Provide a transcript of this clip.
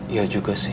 iya juga sih